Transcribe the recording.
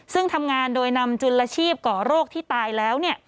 ซึ่งทำงานโดยนำจุลชีพก่อโรคที่ตายแล้ว